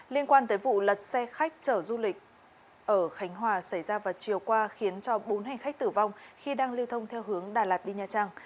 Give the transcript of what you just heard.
liên quan tới vụ lật xe khách chở du lịch ở khánh hòa xảy ra vào chiều qua khiến cho bốn hành khách tử vong khi đang lưu thông theo hướng đà lạt đi nha trang